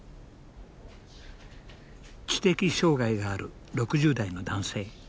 知的障害がある６０代の男性。